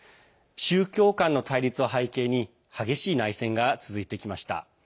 宗教間の対立を背景に激しい内戦が続いてきました。